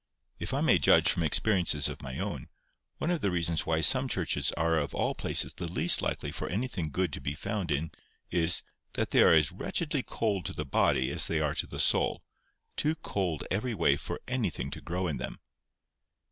If I may judge from experiences of my own, one of the reasons why some churches are of all places the least likely for anything good to be found in, is, that they are as wretchedly cold to the body as they are to the soul—too cold every way for anything to grow in them.